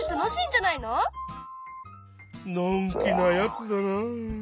のんきなやつだな。